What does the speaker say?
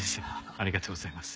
ありがとうございます。